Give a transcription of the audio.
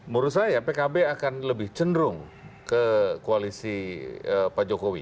menurut saya pkb akan lebih cenderung ke koalisi pak jokowi